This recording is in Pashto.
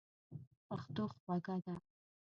پښتو خوږه ده.